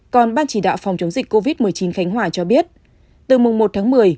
còn ban chỉ đạo phòng chống dịch covid một mươi chín khánh hòa cho biết từ mùng một tháng một mươi